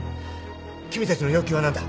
君たちの要求は何だ？